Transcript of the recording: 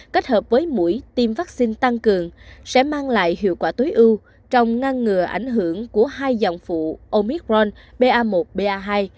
kết hợp với mũi tiêm vaccine tăng cường sẽ mang lại hiệu quả tối ưu trong ngăn ngừa ảnh hưởng của hai dòng phụ omicron ba một ba